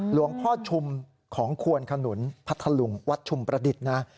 หลวงพ่อชุมของควนขนุนพัทธลุงวัดชุมประดิษฐ์นะ